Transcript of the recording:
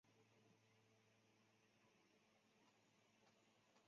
他前去拜见波隆前往史铎克渥斯城堡。